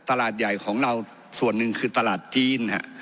ตลาดใหญ่ของเราส่วนหนึ่งคือตลาดจีน